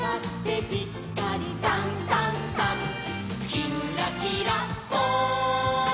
「きんらきらぽん」